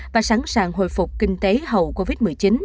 và sẵn sàng hồi phục kinh tế hậu covid một mươi chín